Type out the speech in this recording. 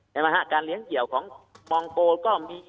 ใช่ไหมฮะการเลี้ยงเกี่ยวของมองโกก็มี